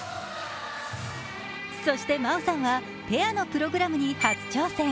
そして真央さんは、ペアのプログラムに初挑戦。